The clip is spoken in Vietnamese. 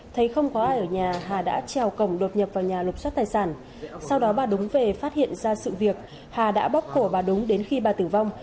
thấy không có ai ở nhà hà đã trèo cổng đột nhập vào nhà lục xoát tài sản sau đó bà đúng về phát hiện ra sự việc hà đã bóc cổ bà đúng đến khi bà tử vong